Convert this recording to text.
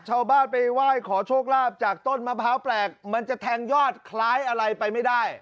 ชาวบ้านไปไหว้ขอโชคลาภจากต้นมะพร้าวแปลกมันจะแทงยอดคล้ายอะไรไปไม่ได้